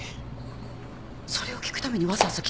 それを聞くためにわざわざ来たの？